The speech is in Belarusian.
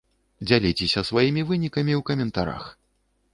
Дзяліцеся сваімі вынікамі ў каментарах!